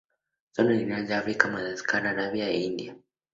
Son originarias de África, Madagascar, Arabia e India.